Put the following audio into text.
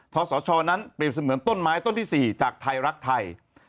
ศชนั้นเปรียบเสมือนต้นไม้ต้นที่๔จากไทยรักไทย